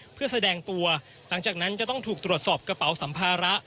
เพื่อแสดงตัวหลังจากนั้นจะต้องถูกตรวจสอบกระเป๋าสัมภาระ